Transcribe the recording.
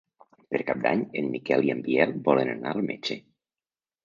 Per Cap d'Any en Miquel i en Biel volen anar al metge.